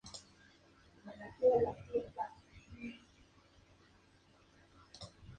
Jugó un total de cuatro partidos para la selección de fútbol de Suecia.